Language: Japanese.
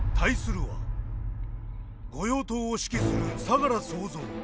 御用盗を指揮する相楽総三。